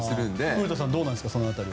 古田さん、どうですか？